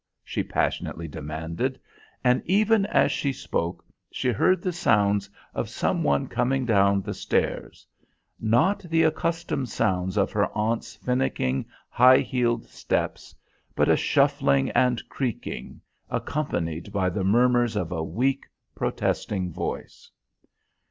she passionately demanded, and even as she spoke she heard the sounds of some one coming down the stairs, not the accustomed sounds of her aunt's finicking, high heeled steps, but a shuffling and creaking, accompanied by the murmurs of a weak, protesting voice.